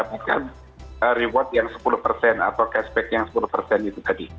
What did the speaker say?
untuk mendapatkan reward yang sepuluh atau cashback yang sepuluh itu tadi